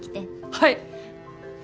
はい！